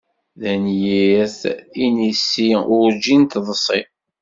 Tanyirt inisi urǧin teḍsi.